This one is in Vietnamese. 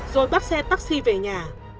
rồi bắt xe taxi về nhà